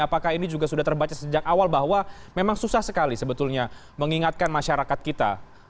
apakah ini juga sudah terbaca sejak awal bahwa memang susah sekali sebetulnya mengingatkan masyarakat kita